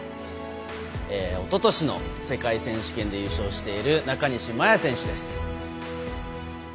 おととしの世界選手権で優勝している中西麻耶選手です。